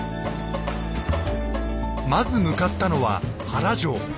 まず向かったのは原城。